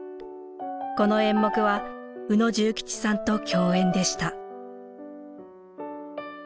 この演目は宇野重吉さんと共演でした。